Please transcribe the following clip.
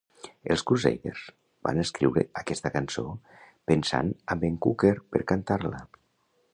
Els Crusaders van escriure aquesta cançó pensant amb en Cocker per cantar-la.